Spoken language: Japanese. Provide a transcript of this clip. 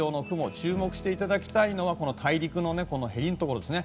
注目していただきたいのは大陸のへりのところですね。